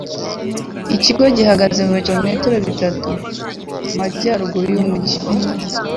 Ikigo gihagaze ibirometero bitatu mumajyaruguru yumujyi.